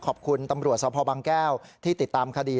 ขอบคุณตำรวจสภบางแก้วที่ติดตามคดี